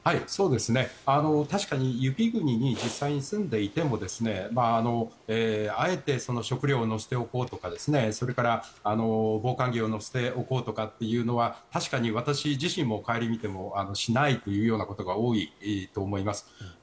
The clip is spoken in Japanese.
確かに雪国に実際に住んでいてもあえて食料を載せておこうとかそれから防寒着を載せておこうかというのは確かに私自身も顧みてもしないというようなことが多いと思います。